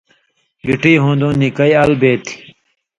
گٹی ہُوݩدوں نِکئ ال بے تھی۔